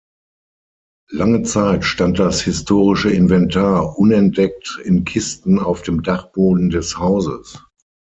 Lange Zeit stand das historische Inventar unentdeckt in Kisten auf dem Dachboden des Hauses.